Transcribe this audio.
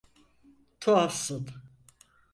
Tuhafsın.